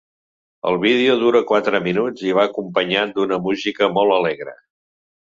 El vídeo dura quatre minuts i va acompanyat d’una música molt alegre.